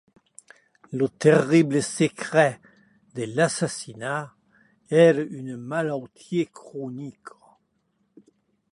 Eth terrible secret der assassinat qu'ère ua malautia cronica.